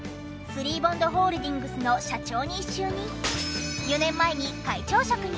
スリーボンドホールディングスの社長に就任。